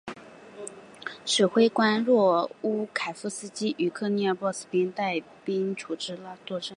指挥官若乌凯夫斯基与科涅茨波尔斯基带兵至楚措拉作战。